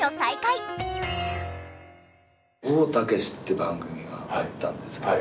たけし』って番組があったんですけど。